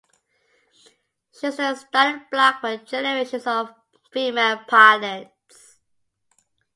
She was the starting block for generations of female pilots.